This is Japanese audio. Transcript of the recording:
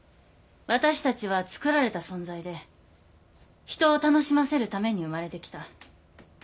私たちはつくられた存在で人を楽しませるために生まれてきた。